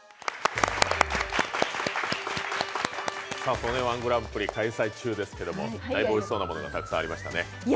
「曽根−１グランプリ」開催中ですけれども大分おいしそうなものがたくさんありましたね。